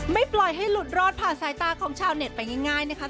ปล่อยให้หลุดรอดผ่านสายตาของชาวเน็ตไปง่ายนะคะ